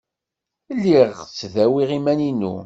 Lliɣ ttdawiɣ iman-inu.